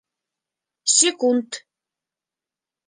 Секунд